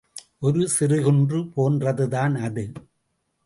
ஒரு சிறுகுன்று போன்றதுதான் அது.